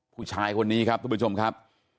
ผู้ชายคนนี้ครับทุกผู้ชมครับ